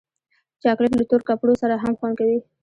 چاکلېټ له تور کپړو سره هم خوند کوي.